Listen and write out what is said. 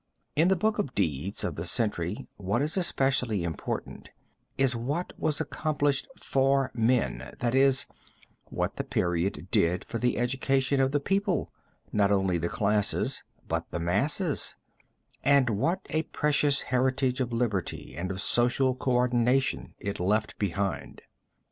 In the Book of the Deeds of the century what is especially important is what was accomplished for men, that is, what the period did for the education of the people, not alone the classes but the masses, and what a precious heritage of liberty and of social coordination it left behind.